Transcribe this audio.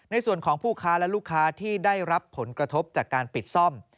ในส่วนของผู้ค้าและลูกค้าที่ได้รับผลกระทบจากการปิดซ่อม